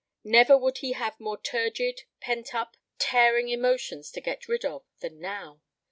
Never would he have more turgid, pent up, tearing emotions to get rid of than now.